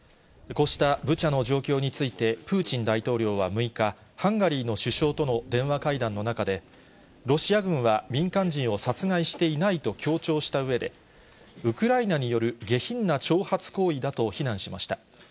こうしたブチャの状況について、プーチン大統領は６日、ハンガリーの首相との電話会談の中で、ロシア軍は民間人を殺害していないと強調したうえで、ウクライナによる下品な挑発行為だと非難しました。